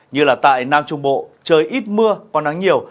như là tại nam trung bộ trời ít mưa có nắng nhiều